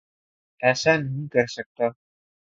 ایسا نہیں کرسکتا